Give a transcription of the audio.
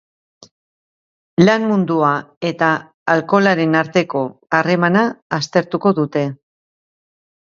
Lan mundua eta alkoholaren arteko harremana aztertu dute.